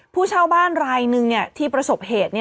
ผู้เช่าบ้านรายหนึ่งที่ประสบเหตุ